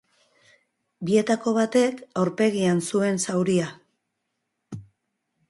Bietako batek aurpegian zuen zauria.